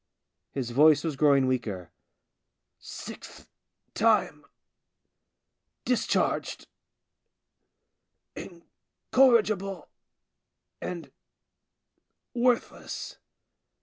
His voice was growing weaker. " Sixth time ... discharged ... incorrig ible and worthless."